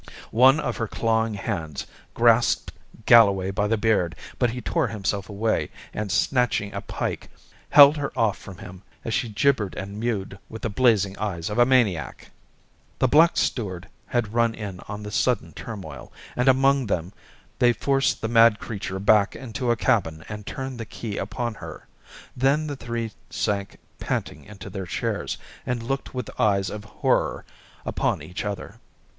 One of her clawing hands grasped Galloway by the beard, but he tore himself away, and snatching a pike, held her off from him as she gibbered and mowed with the blazing eyes of a maniac. The black steward had run in on the sudden turmoil, and among them they forced the mad creature back into a cabin and turned the key upon her. Then the three sank panting into their chairs, and looked with eyes of horror upon each other.